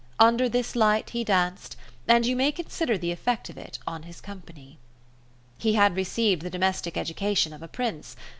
Under this light he danced, and you may consider the effect of it on his company. He had received the domestic education of a prince.